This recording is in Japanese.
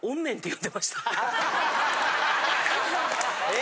え！